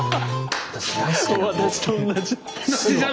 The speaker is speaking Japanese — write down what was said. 私と同じ。